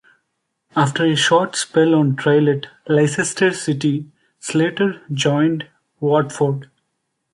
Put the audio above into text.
After a short spell on trial at Leicester City, Slater joined Watford.